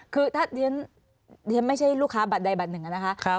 คือถ้าเรียนไม่ใช่ลูกค้าบัตรใดบัตรหนึ่งนะคะ